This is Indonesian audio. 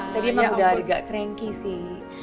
tadi emang udah agak cranky sih